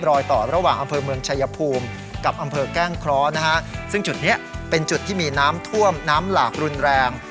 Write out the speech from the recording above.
รอยต่อระหว่างอำเภอเมืองชายภูมิกับอำเภอแก้งเคราะห์นะฮะซึ่งจุดนี้เป็นจุดที่มีน้ำท่วมน้ำหลากรุนแรง